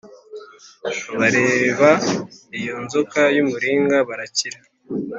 bareba iyo nzoka y’umuringa barakira